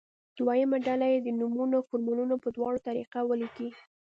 دویمه ډله دې نومونه او فورمولونه په دواړو طریقه ولیکي.